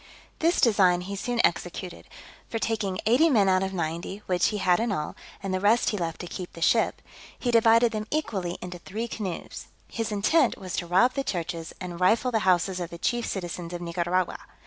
This design he soon executed; for taking eighty men out of ninety, which he had in all and the rest he left to keep the ship he divided them equally into three canoes. His intent was to rob the churches, and rifle the houses of the chief citizens of Nicaragua.